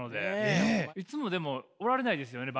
いつもでもおられないですよね？